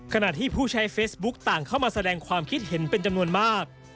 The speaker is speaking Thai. ขณะที่ผู้ใช้เฟซบุ๊กต่างเข้ามาแสดงความคิดเห็นเป็นจำนวนมาก